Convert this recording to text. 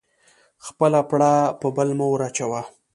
خپله پړه په بل مه ور اچوه